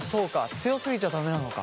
強すぎちゃ駄目なのか。